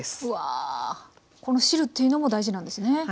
うわこの汁というのも大事なんですね？